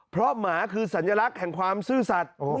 เพราะหมาคือสัญลักษณ์แห่งความซื่อสัตว์